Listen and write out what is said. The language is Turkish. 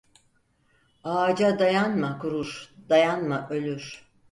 Ağaca dayanma kurur dayanma ölür.